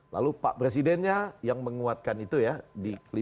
lalu pak presidennya yang menguatkan itu ya di lima menit